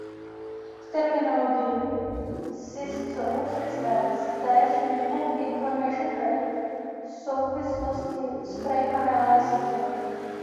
V terminologii Cisco Systems též "Minimum Information Rate" v souvislosti s Frame Relay sítěmi.